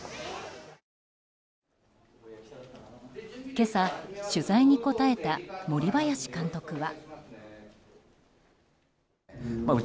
今朝、取材に答えた森林監督は。